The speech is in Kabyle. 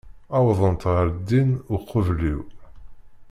Wwḍent ɣer din uqbel-iw.